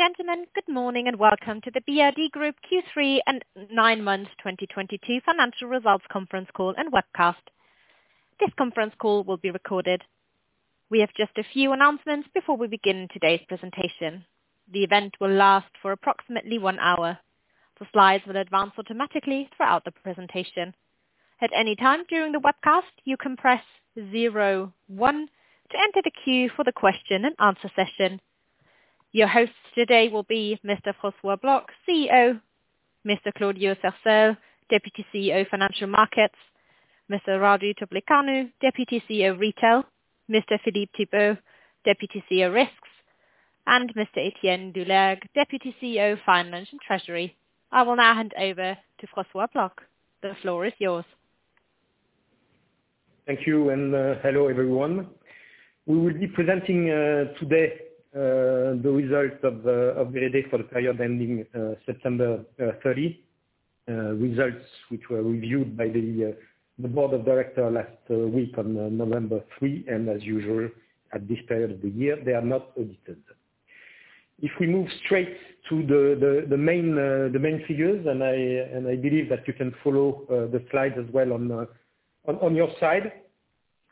Gentlemen, good morning and welcome to the BRD Group Q3 and nine-month 2022 financial results conference call and webcast. This conference call will be recorded. We have just a few announcements before we begin today's presentation. The event will last for approximately one hour. The slides will advance automatically throughout the presentation. At any time during the webcast, you can press zero one to enter the queue for the question and answer session. Your hosts today will be Mr. François Bloch, CEO, Mr. Claudiu Cercel, Deputy CEO, Financial Markets, Mr. Radu Topliceanu, Deputy CEO, Retail, Mr. Philippe Thibaud, Deputy CEO, Risks, and Mr. Etienne Loulergue, Deputy CEO, Finance and Treasury. I will now hand over to François Bloch. The floor is yours. Thank you, and hello, everyone. We will be presenting today the results for today for the period ending September 30. Results which were reviewed by the board of directors last week on November 3, and as usual, at this period of the year, they are not audited. If we move straight to the main figures, and I believe that you can follow the slides as well on your side.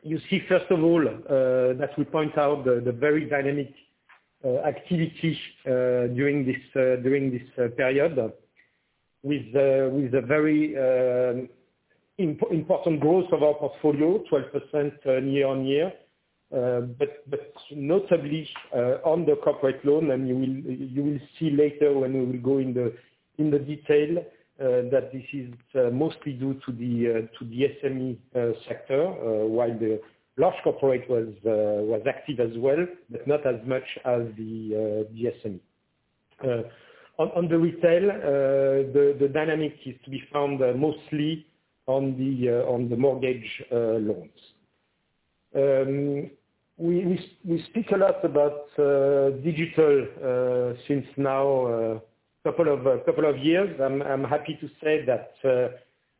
You see, first of all, that we point out the very dynamic activity during this period, with a very important growth of our portfolio, 12% year-on-year, but notably on the corporate loan, and you will see later when we will go in the detail that this is mostly due to the SME sector, while the large corporate was active as well, but not as much as the SME. On the retail, the dynamic is to be found mostly on the mortgage loans. We speak a lot about digital since now a couple of years. I'm happy to say that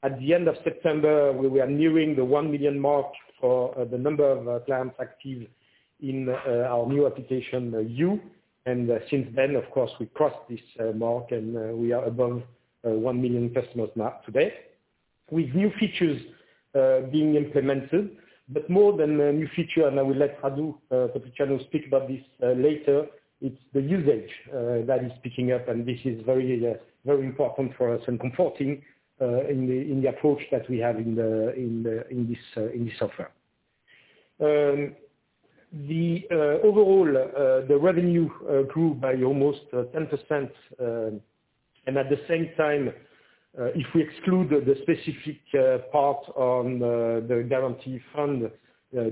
at the end of September, we were nearing the one million mark for the number of clients active in our new application You BRD. Since then, of course, we crossed this mark, and we are above one million customers mark today. With new features being implemented, but more than a new feature, I will let Radu Topliceanu speak about this later, it's the usage that is picking up, and this is very, very important for us and comforting in the approach that we have in this offer. The overall revenue grew by almost 10%, and at the same time, if we exclude the specific part on the guarantee fund, the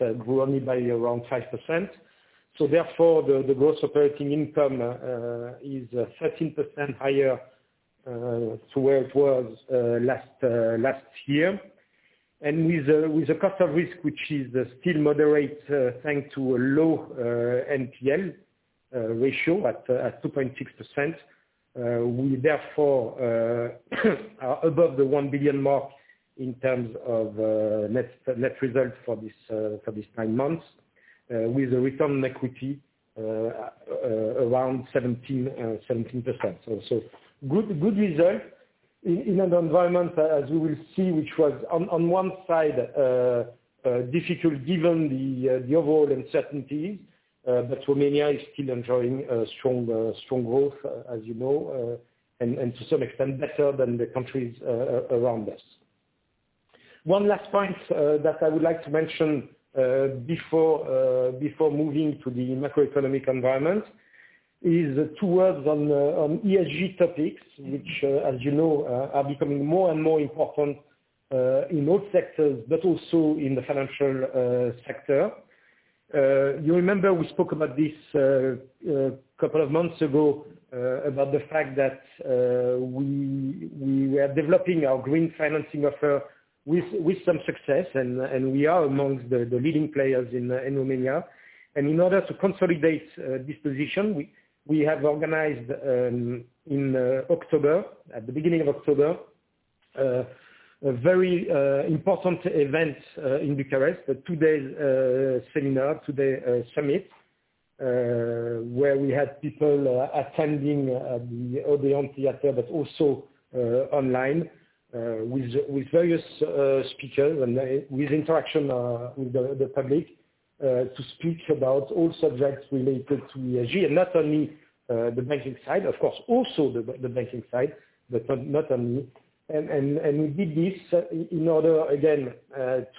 OPEX grew only by around 5%. Therefore, the gross operating income is 13% higher to where it was last year. With the cost of risk, which is still moderate, thanks to a low NPL ratio at 2.6%, we therefore are above the RON 1 billion mark in terms of net results for this nine months, with the return on equity around 17%. Good result in an environment, as you will see, which was on one side difficult given the overall uncertainty, but Romania is still enjoying a strong growth, as you know, and to some extent, better than the countries around us. One last point that I would like to mention before moving to the macroeconomic environment is two words on ESG topics, which, as you know, are becoming more and more important in all sectors, but also in the financial sector. You remember we spoke about this couple of months ago about the fact that we are developing our green financing offer with some success, and we are amongst the leading players in Romania. In order to consolidate this position, we have organized in October, at the beginning of October, a very important event in Bucharest, a two-day seminar, two-day summit where we had people attending the Odeon Theater, but also online, with various speakers and with interaction with the public to speak about all subjects related to ESG, and not only the banking side, of course, also the banking side, but not only. We did this in order, again,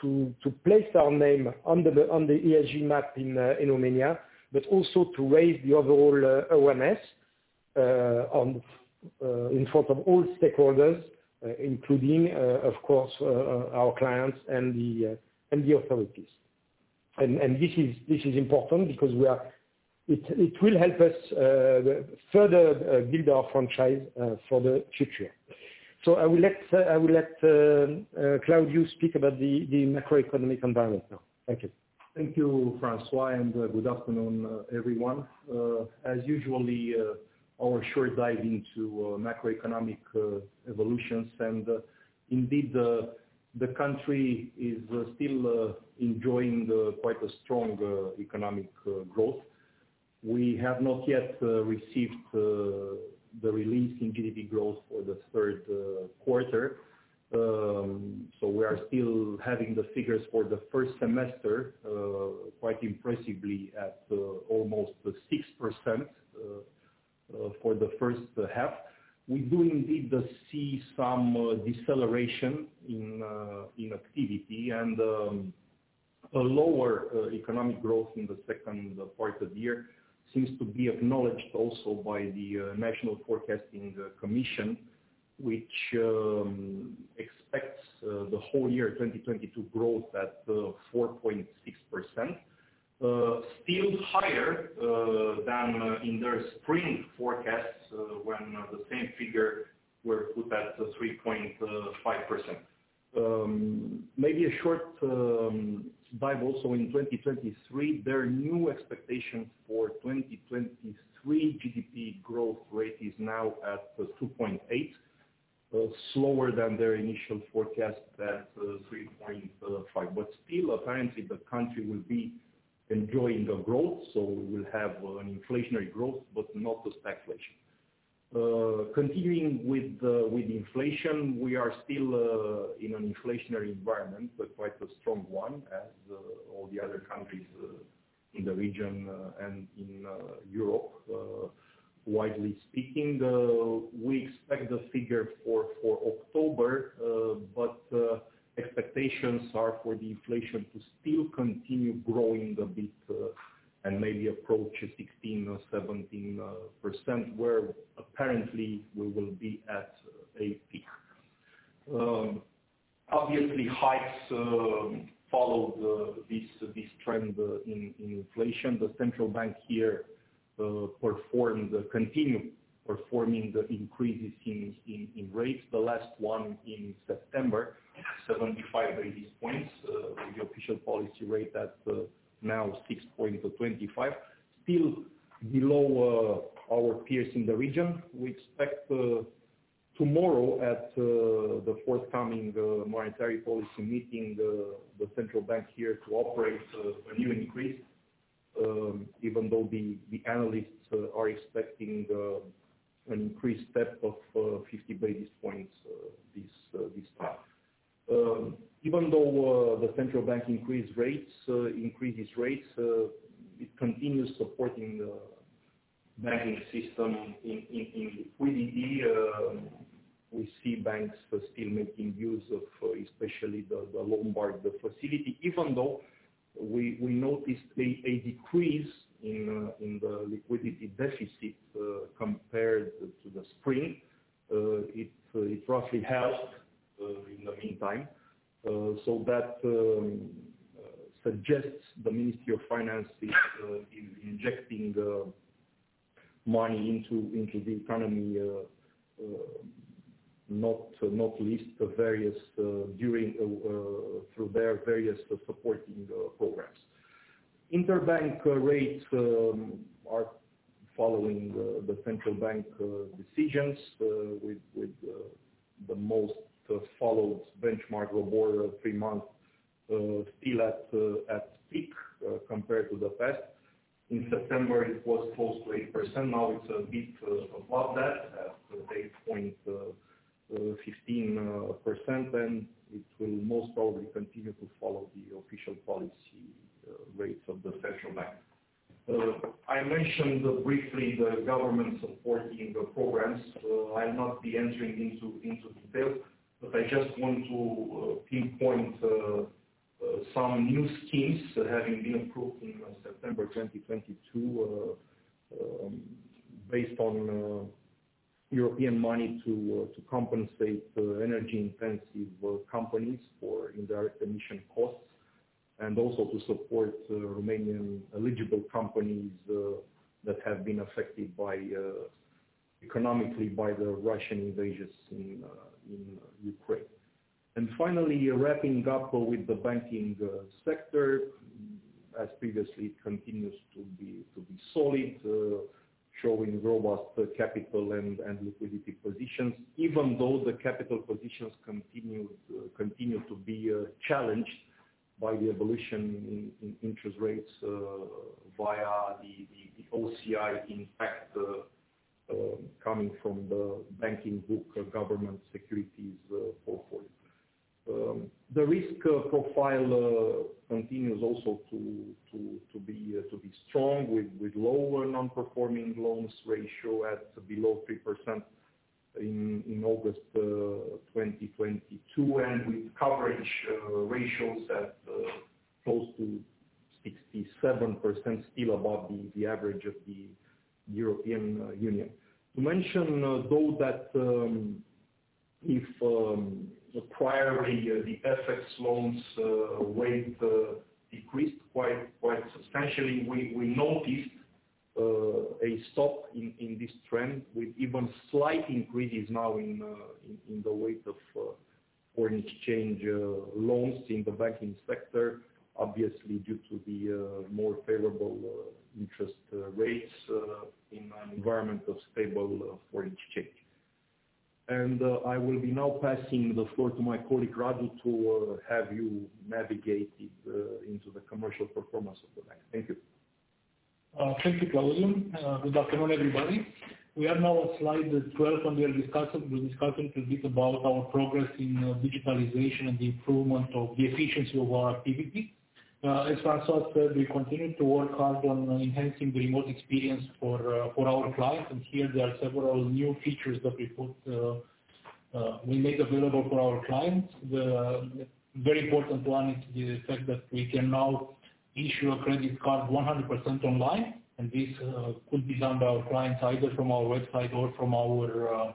to place our name on the ESG map in Romania, but also to raise the overall awareness in front of all stakeholders, including, of course, our clients and the authorities. This is important because we are. It will help us further build our franchise for the future. I will let Claudiu speak about the macroeconomic environment now. Thank you. Thank you, François, and good afternoon, everyone. As usual, our short dive into macroeconomic evolutions and indeed the country is still enjoying quite a strong economic growth. We have not yet received the release in GDP growth for the third quarter. We are still having the figures for the first semester quite impressively at almost 6% for the first half. We do indeed see some deceleration in activity and a lower economic growth in the second part of the year seems to be acknowledged also by the National Commission for Strategy and Prognosis, which expects the whole year 2022 growth at 4.6%. Still higher than in their spring forecasts when the same figure were put at 3.5%. Maybe a short dive also in 2023. Their new expectations for 2023 GDP growth rate is now at 2.8%, slower than their initial forecast at 3.5%, but still apparently the country will be enjoying the growth, so we'll have an inflationary growth, but not the stagflation. Continuing with inflation, we are still in an inflationary environment, but quite a strong one as all the other countries in the region and in Europe, widely speaking. We expect the figure for October, but expectations are for the inflation to still continue growing a bit, and maybe approach 16 or 17%, where apparently we will be at a peak. Obviously hikes follow this trend in inflation. The central bank here continue performing the increases in rates, the last one in September, 75 basis points. With the official policy rate at now 6.25, still below our peers in the region. We expect tomorrow at the forthcoming monetary policy meeting the central bank here to operate a new increase, even though the analysts are expecting an increased step of 50 basis points this time. Even though the central bank increases rates, it continues supporting the banking system in liquidity. We see banks still making use of especially the Lombard facility, even though we noticed a decrease in the liquidity deficit compared to the spring. It roughly helped in the meantime so that suggests the Ministry of Finance is injecting money into the economy, not least through their various supporting programs. Interbank rates are following the central bank decisions with the most followed benchmark ROBOR 3M still at peak compared to the past. In September, it was close to 8%. Now it's a bit above that at 8.15%, and it will most probably continue to follow the official policy rates of the central bank. I mentioned briefly the government supporting the programs. I'll not be entering into detail, but I just want to pinpoint some new schemes having been approved in September 2022. Based on European money to compensate energy-intensive companies for indirect emission costs and also to support Romanian eligible companies that have been affected economically by the Russian invasions in Ukraine. Finally, wrapping up with the banking sector, as previously, it continues to be solid, showing robust capital and liquidity positions, even though the capital positions continue to be challenged by the evolution in interest rates via the OCI impact coming from the banking book government securities portfolio. The risk profile continues also to be strong with lower non-performing loans ratio at below 3% in August 2022, and with coverage ratios at close to 67%, still above the average of the European Union. To mention though that prior the FX loans weight decreased quite substantially, we noticed a stop in this trend with even slight increases now in the weight of, In exchange, loans in the banking sector, obviously due to the more favorable interest rates in an environment of stable foreign exchange. I will be now passing the floor to my colleague, Radu, to have you navigate it into the commercial performance of the bank. Thank you. Good afternoon, everybody. We are now on slide 12 and we're discussing a bit about our progress in digitalization and the improvement of the efficiency of our activity. As François said, we continue to work hard on enhancing the remote experience for our clients, and here there are several new features that we made available for our clients. The very important one is the fact that we can now issue a credit card 100% online, and this could be done by our clients either from our website or from our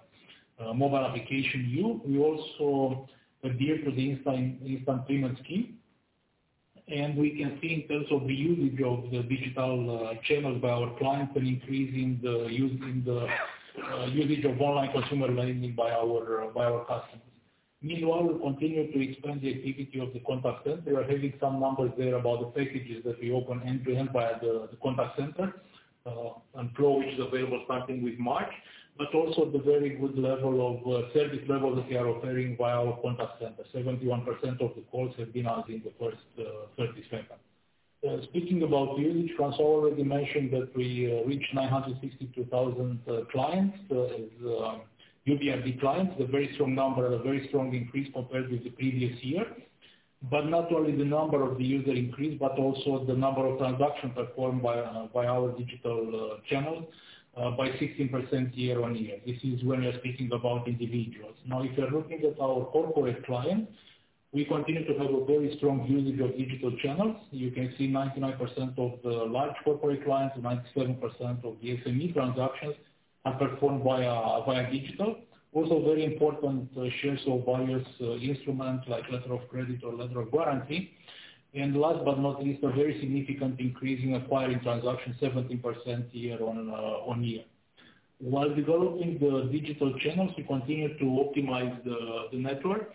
mobile application You BRD. We also adhere to the Instant Payment Scheme. We can see in terms of the usage of the digital channels by our clients an increase in the usage of online consumer lending by our customers. Meanwhile, we continue to expand the activity of the contact center. We are having some numbers there about the packages that we open end-to-end via the contact center and Flo which is available starting with March, but also the very good level of service level that we are offering via our contact center. 71% of the calls have been answered in the first 30 seconds. Speaking about usage, François already mentioned that we reached 962,000 clients as You BRD clients, a very strong number, a very strong increase compared with the previous year. Not only the number of the user increase, but also the number of transactions performed by our digital channels by 16% year-on-year. This is when we're speaking about individuals. Now, if you're looking at our corporate clients, we continue to have a very strong usage of digital channels. You can see 99% of the large corporate clients, 97% of the SME transactions are performed via digital. Also, very important, shares of various instrument like Letter of Credit or Letter of Guarantee. Last but not least, a very significant increase in acquiring transactions, 17% year-on-year. While developing the digital channels, we continue to optimize the network.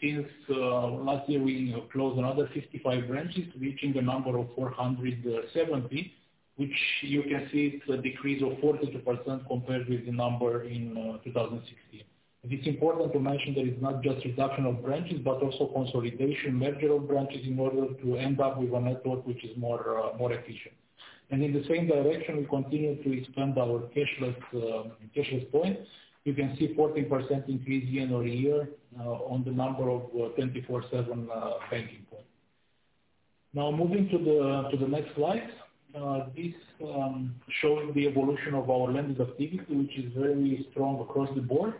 Since last year we closed another 55 branches, reaching a number of 470, which you can see it's a decrease of 42% compared with the number in 2016. It is important to mention that it's not just reduction of branches, but also consolidation, merger of branches, in order to end up with a network which is more efficient. In the same direction, we continue to expand our cashless points. You can see 14% increase year-over-year on the number of 24/7 banking points. Now moving to the next slide. This showing the evolution of our lending activity, which is very strong across the board.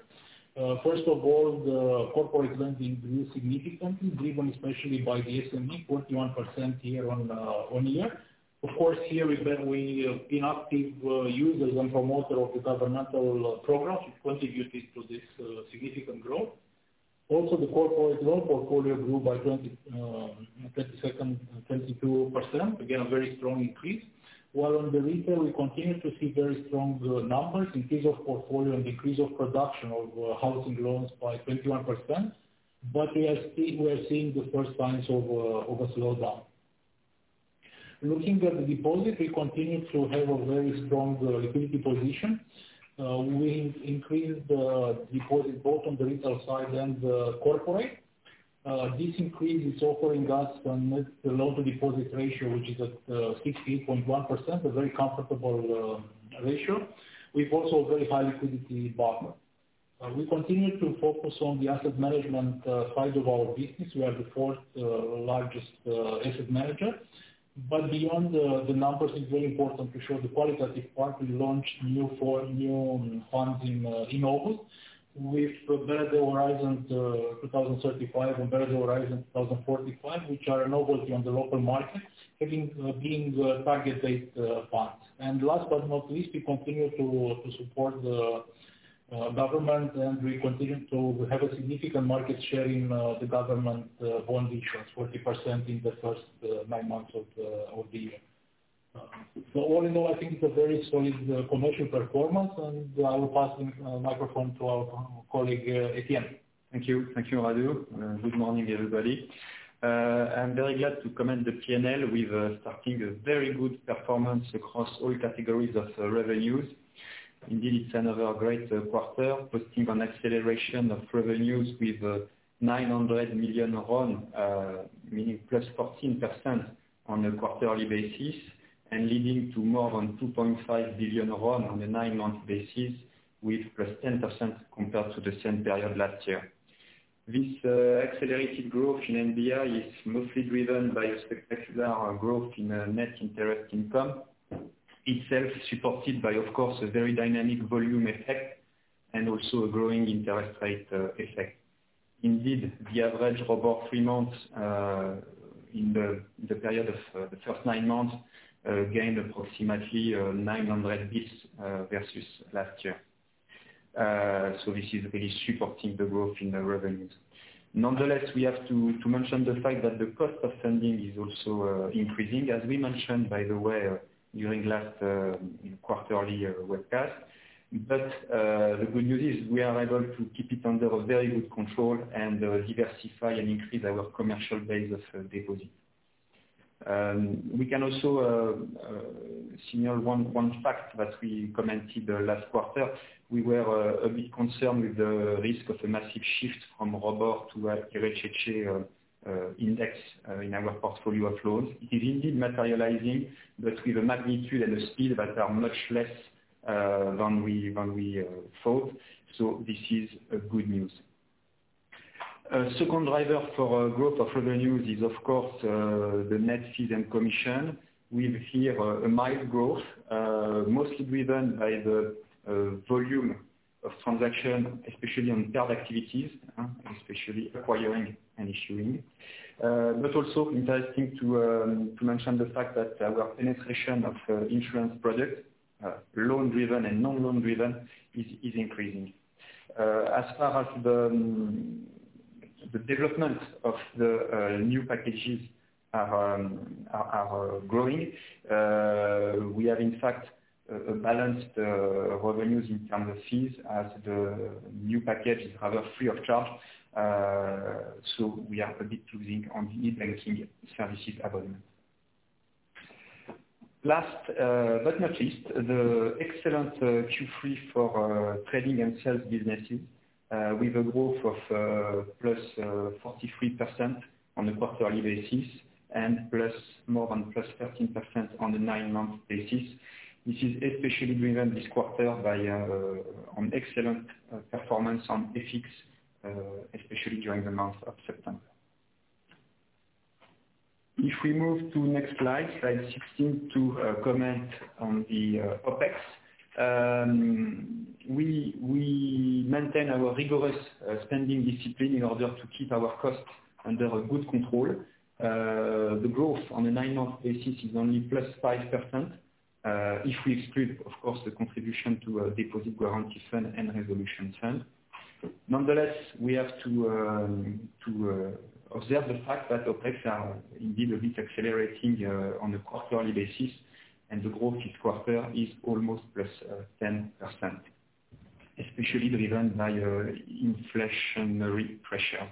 First of all, the corporate lending grew significantly, driven especially by the SME, 41% year-over-year. Of course, here we've been active users and promoter of the governmental programs, which contributed to this significant growth. Also, the corporate loan portfolio grew by 22%. Again, a very strong increase. While on the retail, we continue to see very strong numbers. Increase of portfolio and increase of production of housing loans by 21%. We are seeing the first signs of a slowdown. Looking at the deposit, we continue to have a very strong liquidity position. We increased the deposit both on the retail side and the corporate. This increase is offering us a low deposit ratio, which is at 16.1%, a very comfortable ratio, with also a very high liquidity buffer. We continue to focus on the asset management side of our business. We are the fourth largest asset manager. Beyond the numbers, it's very important to show the qualitative part. We launched four new funds in August with BRD Horizon 2035 and BRD Horizon 2045, which are a novelty on the local market, being target date funds. Last but not least, we continue to support the government, and we continue to have a significant market share in the government bond issuance, 40% in the first nine months of the year. All in all, I think it's a very solid commercial performance, and I will pass the microphone to our colleague, Etienne. Thank you. Thank you, Radu. Good morning, everybody. I'm very glad to comment the P&L. We're starting a very good performance across all categories of revenues. Indeed, it's another great quarter, posting an acceleration of revenues with RON 900 million, meaning +14% on a quarterly basis, and leading to more than RON 2.5 billion on a nine-month basis with +10% compared to the same period last year. This accelerated growth in NBI is mostly driven by a spectacular growth in net interest income. Itself supported by, of course, a very dynamic volume effect, and also a growing interest rate effect. Indeed, the average for about three months in the period of the first nine months gained approximately 900 basis points versus last year. This is really supporting the growth in the revenues. Nonetheless, we have to mention the fact that the cost of funding is also increasing, as we mentioned, by the way, during last quarterly webcast. The good news is we are able to keep it under a very good control and diversify and increase our commercial base of deposits. We can also signal one fact that we commented last quarter. We were a bit concerned with the risk of a massive shift from ROBOR to IRCC index in our portfolio of loans. It is indeed materializing, but with a magnitude and a speed that are much less than we thought. This is a good news. Second driver for our growth of revenues is, of course, the net fees and commission. We have here a mild growth, mostly driven by the volume of transaction, especially on card activities, especially acquiring and issuing. Also interesting to mention the fact that our penetration of insurance products, loan-driven and non-loan driven is increasing. As far as the development of the new packages are growing. We have in fact balanced the revenues in terms of fees as the new packages are free of charge, so we are a bit losing on the e-banking services revenue. Last, but not least, the excellent Q3 for trading and sales businesses with a growth of +43% on a quarterly basis and plus more than 13% on the nine-month basis. This is especially driven this quarter by an excellent performance on FX, especially during the month of September. If we move to next slide 16, to comment on the OPEX. We maintain our rigorous spending discipline in order to keep our costs under a good control. The growth on the nine-month basis is only +5%, if we exclude, of course, the contribution to a deposit guarantee fund and resolution fund. Nonetheless, we have to observe the fact that OPEX are indeed a bit accelerating on a quarterly basis, and the growth this quarter is almost +10%, especially driven by inflationary pressure.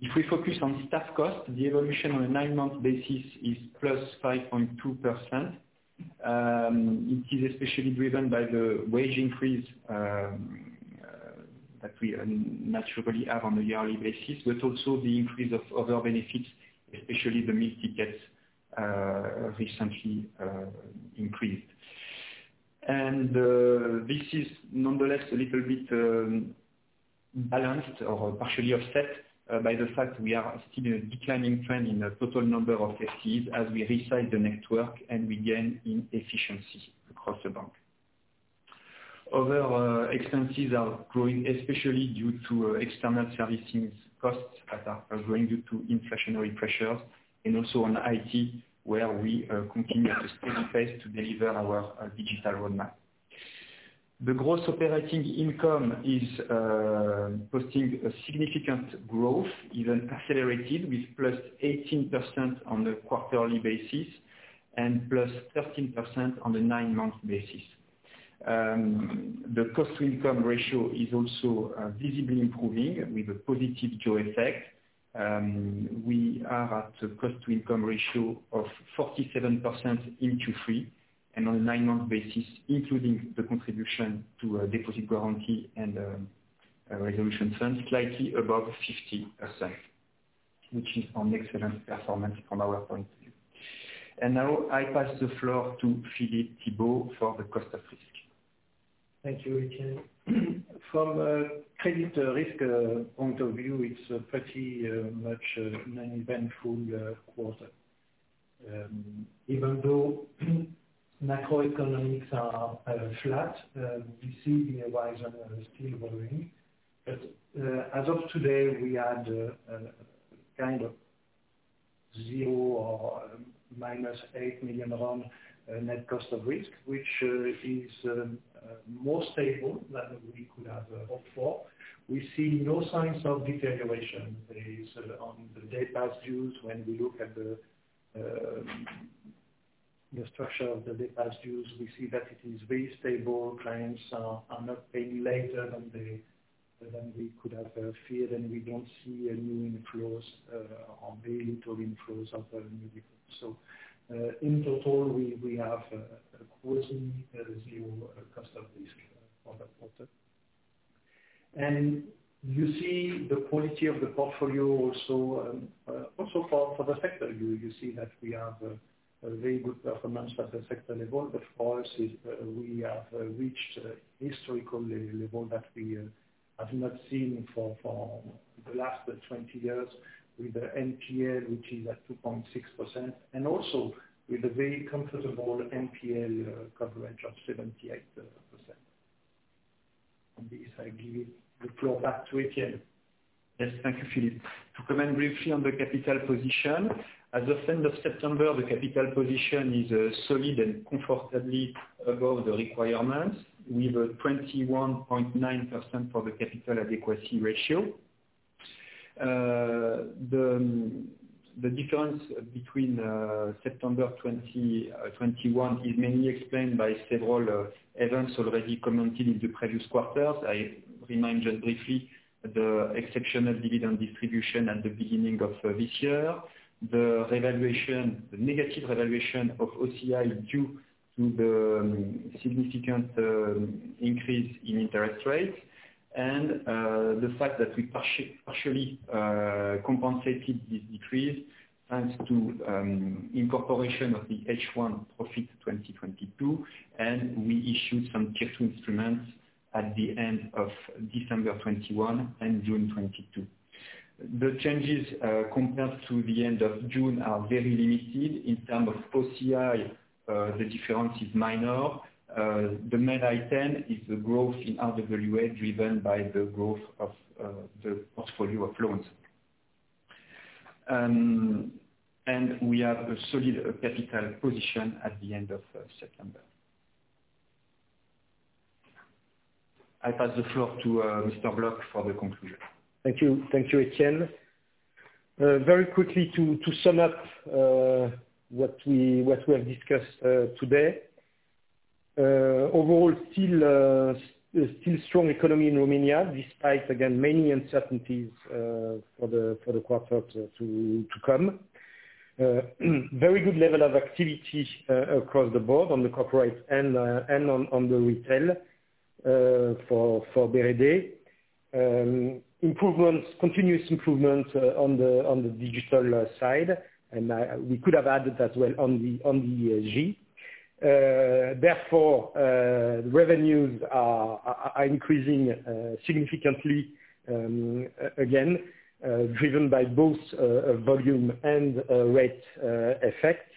If we focus on staff costs, the evolution on a nine-month basis is +5.2%. It is especially driven by the wage increase that we naturally have on a yearly basis, but also the increase of other benefits, especially the meal tickets recently increased. This is nonetheless a little bit balanced or partially offset by the fact we are still declining trend in the total number of FTEs as we resize the network and we gain in efficiency across the bank. Other expenses are growing, especially due to external servicing costs that are growing due to inflationary pressures and also on IT, where we continue at a steady pace to deliver our digital roadmap. The gross operating income is posting a significant growth, even accelerated with +18% on the quarterly basis and +13% on the nine month basis. The cost to income ratio is also visibly improving with a positive dual effect. We are at a cost to income ratio of 47% in Q3, and on a nine month basis, including the contribution to a deposit guarantee and a resolution fund, slightly above 50%, which is an excellent performance from our point of view. Now I pass the floor to Philippe Thibaud for the cost of risk. Thank you, Etienne. From a credit risk point of view, it's a pretty much uneventful quarter. Even though macroeconomics are flat, we see the horizon is still growing. As of today, we had kind of RON 0 or -RON 8 million on net cost of risk, which is more stable than we could have hoped for. We see no signs of deterioration based on the days past due. When we look at the structure of the days past due, we see that it is very stable. Clients are not paying later than we could have feared, and we don't see any new inflows or very little inflows of new NPLs. In total, we have a quasi zero cost of risk for the quarter. You see the quality of the portfolio also for the sector, you see that we have a very good performance at the sector level. NPL is, we have reached a historical level that we have not seen for the last 20 years with the NPL, which is at 2.6%, and also with a very comfortable NPL coverage of 78%. On this, I give the floor back to Etienne. Yes, thank you, Philippe. To comment briefly on the capital position, as of end of September, the capital position is solid and comfortably above the requirements with a 21.9% for the capital adequacy ratio. The difference between September 2021 is mainly explained by several events already commented in the previous quarters. I remind you briefly the exceptional dividend distribution at the beginning of this year, the negative revaluation of OCI due to the significant increase in interest rates, and the fact that we partially compensated this decrease thanks to incorporation of the H1 profit 2022, and we issued some tier two instruments at the end of December 2021 and June 2022. The changes compared to the end of June are very limited. In terms of OCI, the difference is minor. The main item is the growth in RWA driven by the growth of the portfolio of loans. We have a solid capital position at the end of September. I pass the floor to Mr. Bloch for the conclusion. Thank you. Thank you, Etienne. Very quickly to sum up what we have discussed today. Overall still strong economy in Romania, despite again many uncertainties for the quarters to come. Very good level of activity across the board on the corporate and on the retail for BRD. Continuous improvements on the digital side, and we could have added as well on the ESG. Therefore, revenues are increasing significantly, again driven by both volume and rate effect,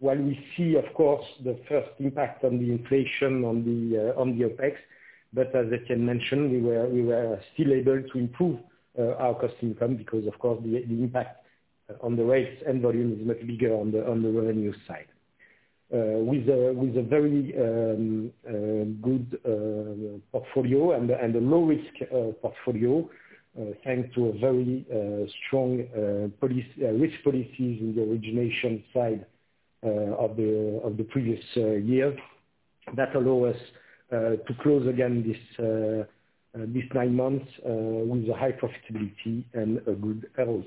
while we see, of course, the first impact of the inflation on the OPEX. As Etienne mentioned, we were still able to improve our cost-to-income because, of course, the impact on the rates and volume is much bigger on the revenue side. With a very good portfolio and a low risk portfolio, thanks to a very strong risk policies in the origination side of the previous year that allow us to close again these nine months with a high profitability and a good ROE.